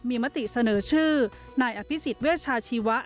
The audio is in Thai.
มีมติเสนอชื่อนายอภิษฎเวชาชีวะ